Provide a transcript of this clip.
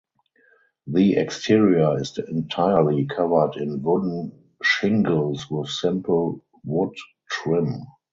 The exterior is entirely covered in wooden shingles with simple wood trim.